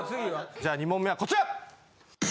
じゃあ２問目はこちら！